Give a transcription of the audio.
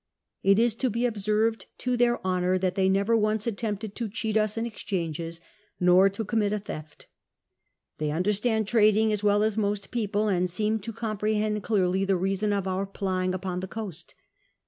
... It is to be observed to their honour tliat they never once attempted to cheat us in exchanges, nor to commit a tlieft. They understand trading as well Jis most people, and seemed to comprehend clearly the reason of our plying upon the coast.